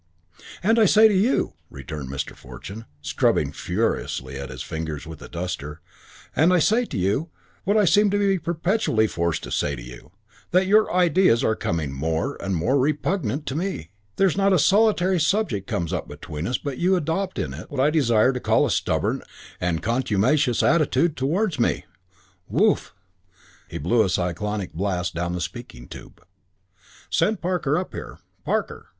"And I say to you," returned Mr. Fortune, scrubbing furiously at his fingers with a duster, "and I say to you what I seem to be perpetually forced to say to you, that your ideas are becoming more and more repugnant to me. There's not a solitary subject comes up between us but you adopt in it what I desire to call a stubborn and contumacious attitude towards me. Whoof!" He blew a cyclonic blast down the speaking tube. "Send Parker up here. Parker!